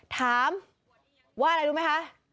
ถามว่าอะไรรู้ไหมคะ